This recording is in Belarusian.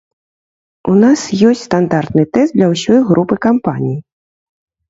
У нас ёсць стандартны тэст для ўсёй групы кампаній.